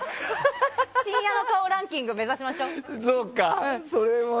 深夜の顔ランキング目指しましょう。